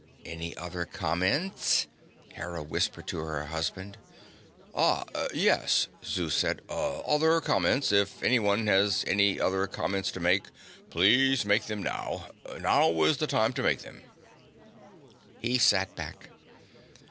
"Any other comments?" Hera whispered to her husband. "Ah, yes," Zeus said. "Other comments. If anyone has any other comments to make, please make them now. Now is the time to make them." He sat back.